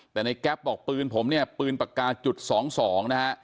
แต่ในแก๊ปบอกปืนผมเนี่ยปืนปากกาจุด๒๒นะฮะ